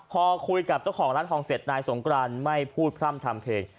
พอคุยกับเจ้าของร้านทองเสร็จนายสงกรานไม่พูดพร่ำทำเพลง